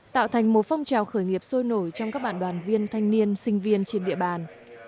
tạo thành một phong trào khởi nghiệp sôi nổi trong các bạn đoàn viên thanh niên sinh viên trên địa bàn